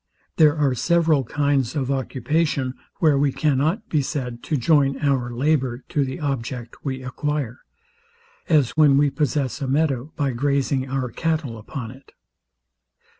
There are several kinds of occupation, where we cannot be said to join our labour to the object we acquire: As when we possess a meadow by grazing our cattle upon it.